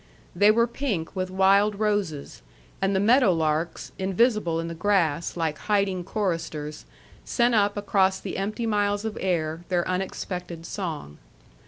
They were pink with wild roses; and the meadow larks, invisible in the grass, like hiding choristers, sent up across the empty miles of air their unexpected song.